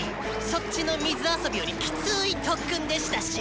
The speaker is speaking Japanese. そっちの水遊びよりキツイ特訓でしたしぃ！